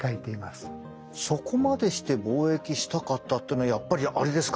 そこまでして貿易したかったっていうのはやっぱりあれですか？